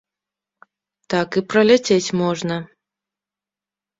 Так і праляцець можна.